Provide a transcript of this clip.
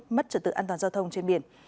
mất trở tự an toàn giao thông trên biển